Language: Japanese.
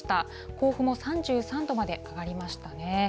甲府も３３度まで上がりましたね。